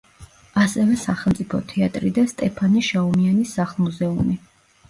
ასევე სახელმწიფო თეატრი და სტეფანე შაუმიანის სახლ-მუზეუმი.